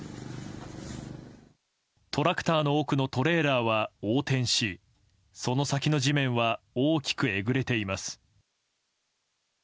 トラクターの奥のトレーラーは横転しその先の地面は大きくえぐれています。